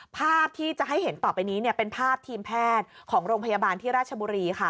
ภาพที่จะให้เห็นต่อไปนี้เป็นภาพทีมแพทย์ของโรงพยาบาลที่ราชบุรีค่ะ